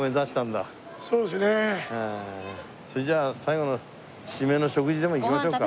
それじゃ最後の締めの食事でも行きましょうか。